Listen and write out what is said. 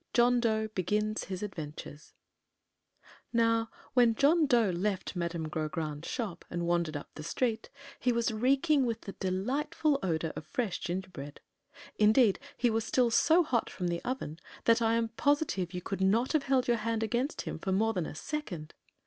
John Dough Begins his Adventures Now, when John Dough left Madame Grogrande's shop and wandered up the street, he was reeking with the delightful odor of fresh gingerbread. Indeed, he was still so hot from the oven that I am positive you could not have held your hand against him for more than a second.